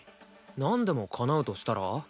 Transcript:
何でも叶うとしたら？